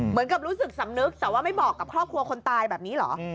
เหมือนกับรู้สึกสำนึกแต่ว่าไม่บอกกับครอบครัวคนตายแบบนี้เหรอ